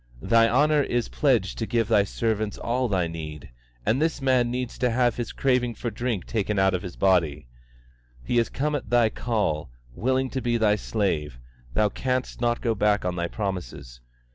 Thy honour is pledged to give Thy servants all they need, and this man needs to have the craving for drink taken out of his body. He has come at Thy call, willing to be Thy slave; Thou canst not go back on Thy promises.